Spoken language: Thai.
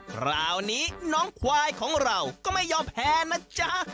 คราวนี้น้องควายของเราก็ไม่ยอมแพ้นะจ๊ะ